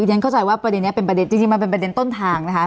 ฉันเข้าใจว่าประเด็นนี้เป็นประเด็นจริงมันเป็นประเด็นต้นทางนะคะ